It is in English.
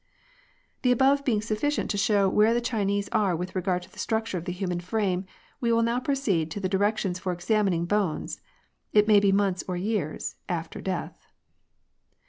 The above being sufl&cient to show where the Chinese are with regard to the structure of the human frame, we will now proceed to the directions for examining bones, it may be months or even years after death.